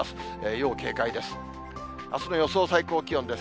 要警戒です。